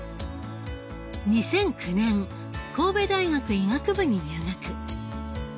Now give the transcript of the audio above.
２００９年神戸大学医学部に入学。